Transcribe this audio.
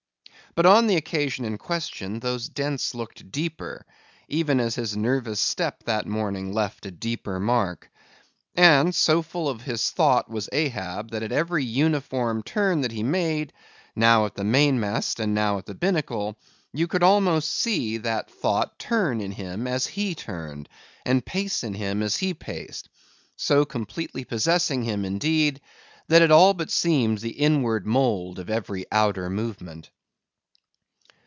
But on the occasion in question, those dents looked deeper, even as his nervous step that morning left a deeper mark. And, so full of his thought was Ahab, that at every uniform turn that he made, now at the main mast and now at the binnacle, you could almost see that thought turn in him as he turned, and pace in him as he paced; so completely possessing him, indeed, that it all but seemed the inward mould of every outer movement.